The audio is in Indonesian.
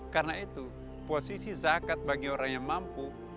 karena itu posisi zakat bagi orang yang mampu